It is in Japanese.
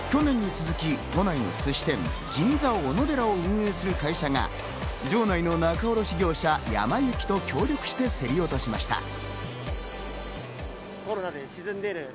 去年に続き都内の寿司店、銀座おのでらを運営する会社が場内の仲卸業者、やま幸と協力して競り落としました。